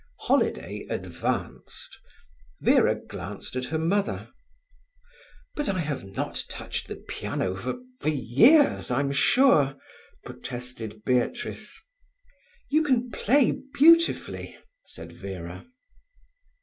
Holiday advanced. Vera glanced at her mother. "But I have not touched the piano for—for years, I am sure," protested Beatrice. "You can play beautifully," said Vera.